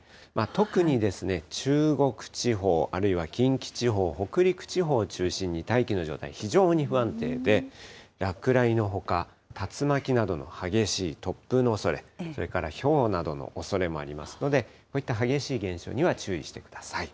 特に中国地方、あるいは近畿地方、北陸地方を中心に大気の状態非常に不安定で、落雷のほか、竜巻などの激しい突風のおそれ、それからひょうなどのおそれもありますので、こういった激しい現象には注意してください。